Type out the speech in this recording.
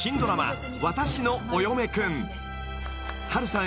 ［波瑠さん